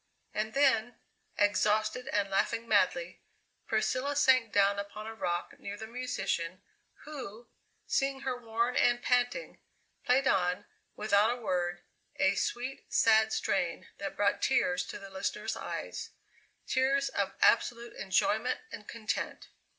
And then, exhausted and laughing madly, Priscilla sank down upon a rock near the musician, who, seeing her worn and panting, played on, without a word, a sweet, sad strain that brought tears to the listener's eyes tears of absolute enjoyment and content.